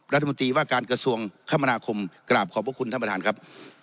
รัฐมนตรีว่าการกระทรวงคมนาคมกราบขอบพระคุณท่านประธานครับ